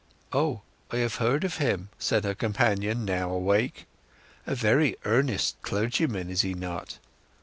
"Oh—I have heard of him," said her companion, now awake. "A very earnest clergyman, is he not?"